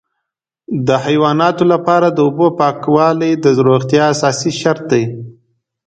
د حیواناتو لپاره د اوبو پاکوالی د روغتیا اساسي شرط دی.